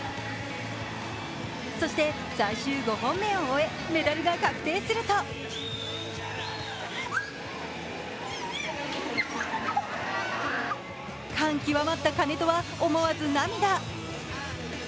そして、最終５本目を終え、メダルが確定すると感極まった金戸は思わず涙。